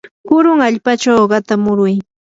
purun allpachaw uqata muruy.